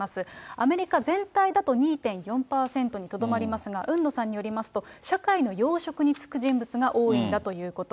アメリカ全体だと２．４％にとどまりますが、海野さんによりますと、社会の要職に就く人物が多いんだということ。